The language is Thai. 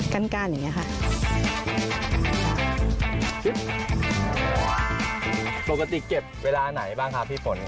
ปรากฏิเก็บเวลาไหนบ้างพี่ฝน